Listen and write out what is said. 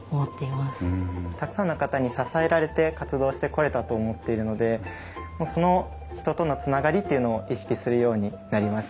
たくさんの方に支えられて活動してこれたと思っているのでその人とのつながりというのを意識するようになりました。